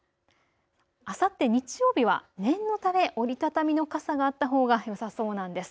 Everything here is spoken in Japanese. あさって日曜日は念のため折り畳みの傘があったほうがよさそうなんです。